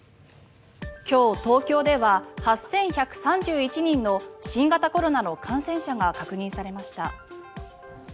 今日、東京では８１３１人の新型コロナの感染者が確認されました。